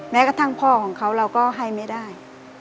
แม้กระทั่งพ่อของเขาเราก็ให้ไม่ได้